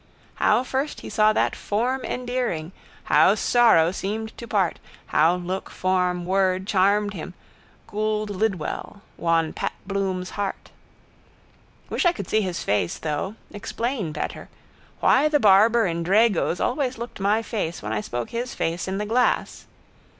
How first he saw that form endearing, how sorrow seemed to part, how look, form, word charmed him Gould Lidwell, won Pat Bloom's heart. Wish I could see his face, though. Explain better. Why the barber in Drago's always looked my face when I spoke his face in the glass.